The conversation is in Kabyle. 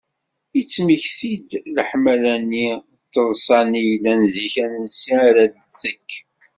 yettmekti-d leḥmala-nni d teḍsa-nni i yellan zik ansi ara d-tekk?